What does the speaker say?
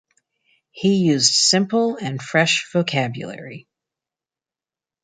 He used simple and fresh vocabulary.